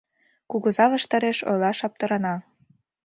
Кугыза ваштареш ойлаш аптырана